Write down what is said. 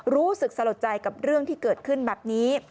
รู้สึกสลดใจกับเรื่องที่เกิดขึ้นแบบนี้